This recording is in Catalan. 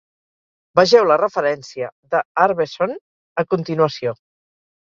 Vegeu la referència de Arveson a continuació.